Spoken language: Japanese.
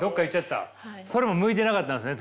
それも向いてなかったんですね。